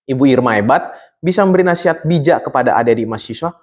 ibu irma hebat bisa memberi nasihat bijak kepada adik adik mahasiswa